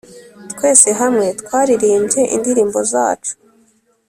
twese hamwe twaririmbye indirimbo zacu.